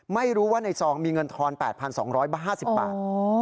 ไม่รู้ว่าในซองมีเงินทอน๘๒๕๐บาท